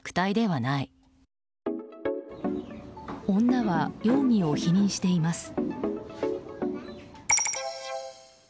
女は容疑を否認しています。